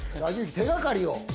手掛かりを。